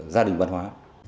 gia đình văn hóa